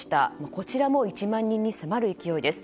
こちらも１万人に迫る勢いです。